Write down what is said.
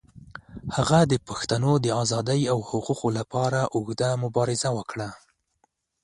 هغه د پښتنو د آزادۍ او حقوقو لپاره اوږده مبارزه وکړه.